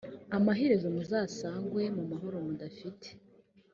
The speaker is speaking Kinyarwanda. amaherezo muzasangwe mu mahoro mudafite